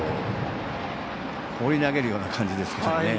放り投げるような感じですが。